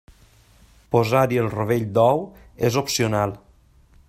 Posar-hi el rovell d'ou és opcional.